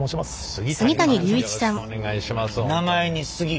杉谷さんよろしくお願いします。